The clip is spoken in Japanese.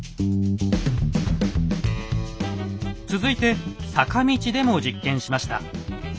続いて坂道でも実験しました。